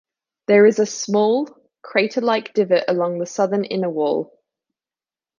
There is a small crater-like divot along the southern inner wall.